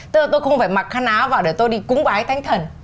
tức là tôi không phải mặc khăn áo vào để tôi đi cúng bái cánh thần